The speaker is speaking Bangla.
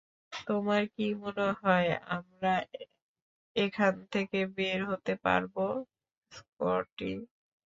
তোমার কি মনে হয় আমরা এখান থেকে বের হতে পারবো, স্কটি?